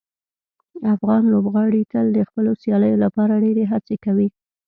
افغان لوبغاړي تل د خپلو سیالیو لپاره ډیرې هڅې کوي.